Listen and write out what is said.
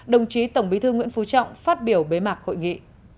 đồng chí tổng bí thư nguyễn phú trọng phát biểu bế mạc hội nghị